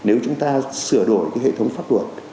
nếu chúng ta sửa đổi cái hệ thống pháp luật